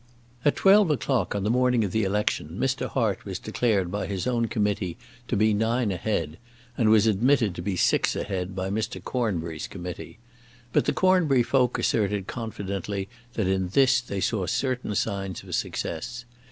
At twelve o'clock on the morning of the election Mr. Hart was declared by his own committee to be nine ahead, and was admitted to be six ahead by Mr. Cornbury's committee. But the Cornbury folk asserted confidently that in this they saw certain signs of success.